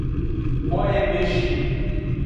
Gboyebeshi.